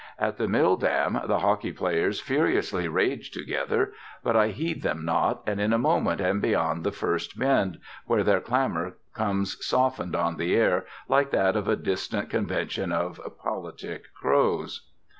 At the mill dam the hockey players furiously rage together, but I heed them not, and in a moment am beyond the first bend, where their clamor comes softened on the air like that of a distant convention of politic crows.